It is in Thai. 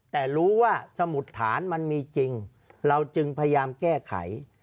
แต่รู้ว่าสมุดฐานมันมีจริงเราจึงพยายามแก้ไข